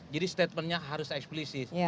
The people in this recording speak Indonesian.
jadi statementnya harus eksplisit